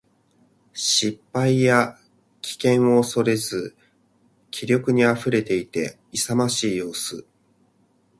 失敗や危険を恐れず気力に溢れていて、勇ましい様子。